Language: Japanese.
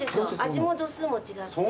味も度数も違って。